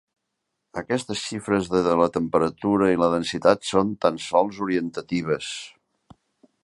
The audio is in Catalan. Aquestes xifres de la temperatura i la densitat són tan sols orientatives.